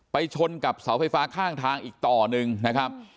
ชนกับเสาไฟฟ้าข้างทางอีกต่อหนึ่งนะครับ